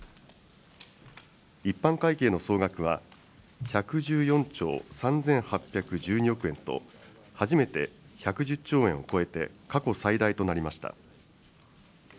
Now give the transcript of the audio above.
一般会計の総額は１１４兆３８１２億円と、初めて１１０兆円を超えて、過去最大となりました。